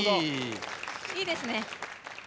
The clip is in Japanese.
いいですね。